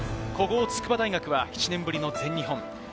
古豪・筑波大学は１年ぶりの全日本。